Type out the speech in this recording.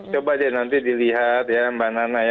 coba deh nanti dilihat ya mbak nana ya